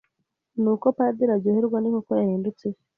Ni uko padiri aryoherwa n'inkoko yahindutse ifi